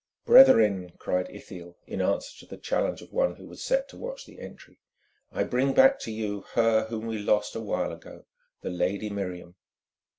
"Brethren," cried Ithiel, in answer to the challenge of one who was set to watch the entry, "I bring back to you her whom we lost a while ago, the lady Miriam."